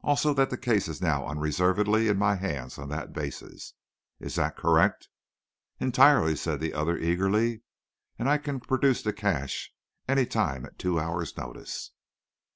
Also that the case is now unreservedly in my hands on that basis. Is that correct?" "Entirely", said the other, eagerly. "And I can produce the cash any time at two hours' notice."